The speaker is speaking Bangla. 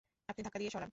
আপনি ধাক্কা দিয়ে সরান!